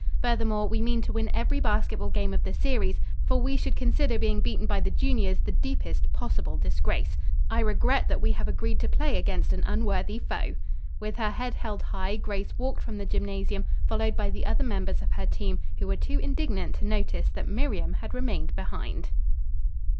Furthermore, we mean to win every basketball game of the series, for we should consider being beaten by the juniors the deepest possible disgrace. I regret that we have agreed to play against an unworthy foe." With her head held high, Grace walked from the gymnasium, followed by the other members of her team, who were too indignant to notice that Miriam had remained behind.